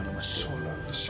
そうなんですよ。